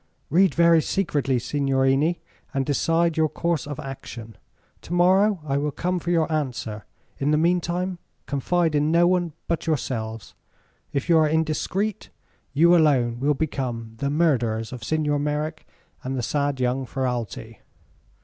"Read very secretly, signorini, and decide your course of action. To morrow I will come for your answer. In the meantime, confide in no one but yourselves. If you are indiscreet, you alone will become the murderers of Signor Merrick and the sad young Ferralti."